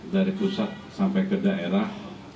dari pusat sampai ke daerah